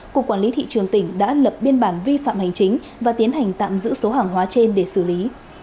cục quản lý thị trường tỉnh đã lập biên bản vi phạm hành chính và tiến hành tạm giữ số hàng hóa trên để xử lý